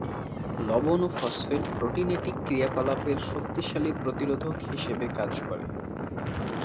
লবণ ও ফসফেট প্রোটিনেটিক ক্রিয়াকলাপের শক্তিশালী প্রতিরোধক হিসেবে কাজ করে।